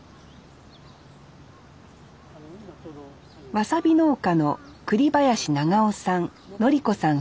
わさび農家の栗林長男さん教子さん